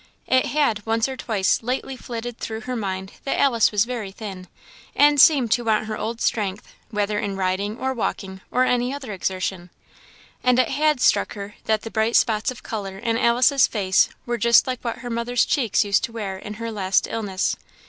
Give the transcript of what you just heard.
It had once or twice lately flitted through her mind that Alice was very thin, and seemed to want her old strength, whether in riding or walking or any other exertion; and it had struck her that the bright spots of colour in Alice's face were just like what her mother's cheeks used to wear in her last illness.